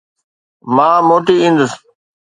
مان موٽي ايندس